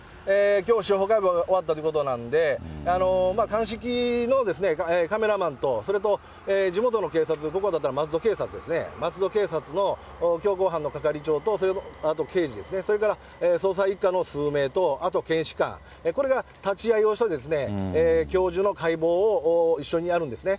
きょう司法解剖終わったということなんで、鑑識のカメラマンと、それと地元の警察、ここだったら松戸警察ですよね、松戸警察のきょうこうはんの係長と、あと刑事ですね、それから捜査１課の数名と、あと検視官、これが立ち会いをして、教授の解剖を一緒にやるんですね。